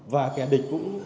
và kẻ địch cũng